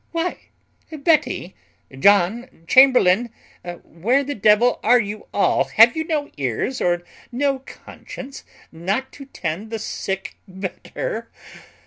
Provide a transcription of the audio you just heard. "Why Betty, John, Chamberlain, where the devil are you all? Have you no ears, or no conscience, not to tend the sick better?